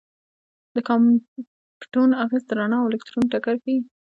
د کامپټون اغېز د رڼا او الکترون ټکر ښيي.